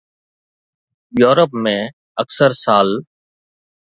Europe ۾ اڪثر سال